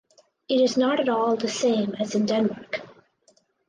It is not at all the same as in Denmark.